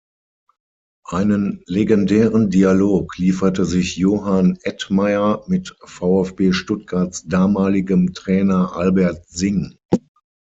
Einen legendären Dialog lieferte sich Johann Ettmayer mit VfB Stuttgarts damaligem Trainer Albert Sing.